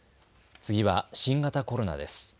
次は新型コロナです。